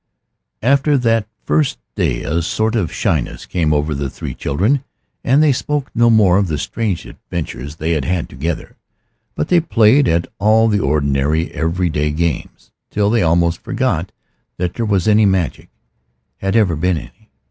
After that first day a sort of shyness came over the three children, and they spoke no more of the strange adventures they had had together, but just played at all the ordinary every day games, till they almost forgot that there was any magic, had ever been any.